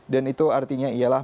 dan itu artinya ialah